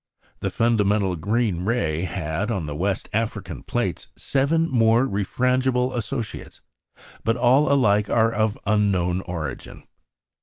The fundamental green ray had, on the West African plates, seven more refrangible associates; but all alike are of unknown origin.